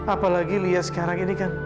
apalagi lihat sekarang ini kan